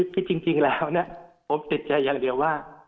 ที่จริงแล้วเนี่ยผมติดใจอย่างเดียวว่า